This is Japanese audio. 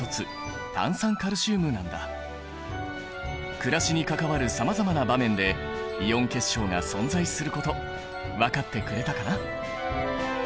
暮らしに関わるさまざまな場面でイオン結晶が存在すること分かってくれたかな？